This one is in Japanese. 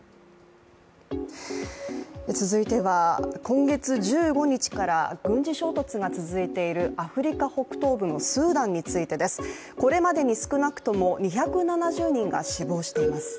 続いては、今月１５日から軍事衝突が続いているアフリカ北東部のスーダンについてです。これまでに少なくとも２７０人が死亡しています。